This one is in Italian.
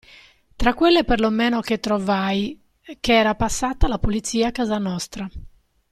Tra quelle per lo meno che trovai, ché era passata la Polizia a casa nostra.